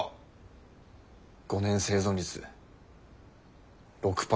５年生存率６％って。